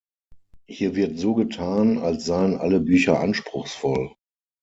Hier wird so getan, als seien alle Bücher anspruchsvoll.